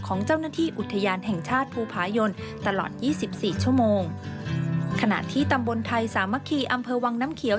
ก็มีประชาชนและนักท่องเที่ยว